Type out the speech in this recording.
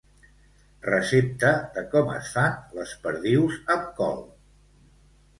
Recepta de com es fan les perdius amb col.